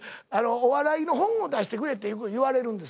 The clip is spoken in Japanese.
お笑いの本を出してくれってよく言われるんですけども。